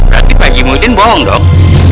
berarti pakji muhyiddin bohong dong